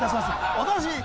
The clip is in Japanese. お楽しみに。